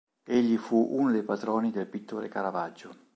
Egli fu uno dei patroni del pittore Caravaggio.